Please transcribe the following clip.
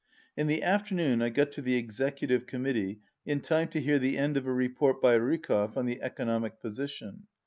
In the afternoon I got to the Executive Com mittee in time to hear the end of a report by Rykov on the economic position.